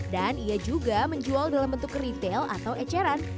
dan ia juga menjual dalam bentuk retail atau eceran